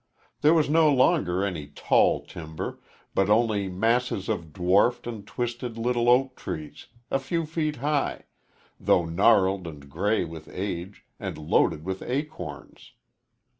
There was no longer any tall timber, but only masses of dwarfed and twisted little oak trees a few feet high, though gnarled and gray with age, and loaded with acorns.